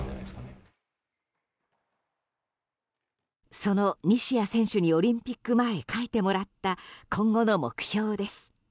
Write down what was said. その西矢選手にオリンピック前書いてもらった今後の目標です。